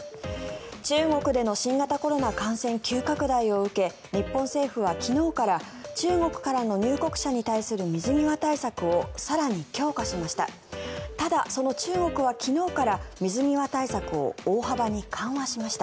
中国での新型コロナ感染急拡大を受け日本政府は昨日から中国からの入国者に対する水際対策を更に強化しました。